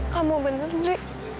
kamu bener di